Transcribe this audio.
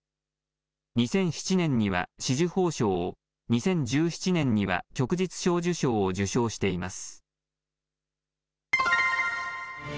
２００７年には紫綬褒章を、２０１７年には旭日小綬章を受章しています。